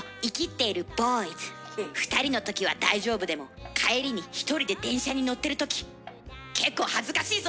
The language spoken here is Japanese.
２人の時は大丈夫でも帰りに１人で電車に乗ってる時結構恥ずかしいぞ！